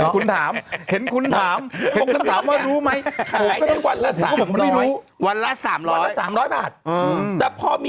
กำลังจะอ๋อครับผม